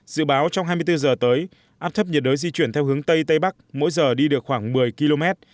dự báo trong hai mươi bốn giờ tới áp thấp nhiệt đới di chuyển theo hướng tây tây bắc mỗi giờ đi được khoảng một mươi km